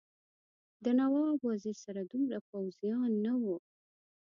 د نواب وزیر سره دومره پوځیان نه وو.